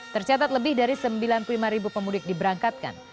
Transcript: tercatat lebih dari sembilan puluh lima ribu pemudik diberangkatkan